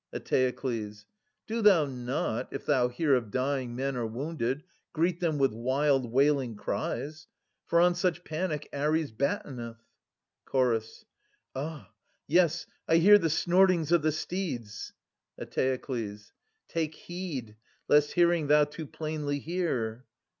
Eteokles. Do thou not, if thou hear of dying men Or wounded, greet them with wild wailing cries ; For on such panic Ares batteneth. Chorus. Ah !— ^yes, I hear the snortings of the steeds ! Eteokles. Take heed, lest hearing thou too plainly hear.